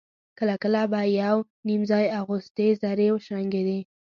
کله کله به يو _نيم ځای اغوستې زرې وشرنګېدې.